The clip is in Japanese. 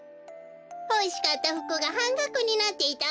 ほしかったふくがはんがくになっていたわべ。